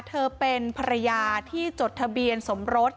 เธอเป็นภรรยาที่จดทะเบียนสมรส